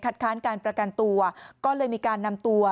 ค้านการประกันตัวก็เลยมีการนำตัว